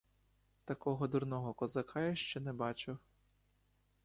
Такого дурного козака я ще не бачив.